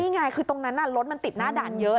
นี่ไงคือตรงนั้นรถมันติดหน้าด่านเยอะ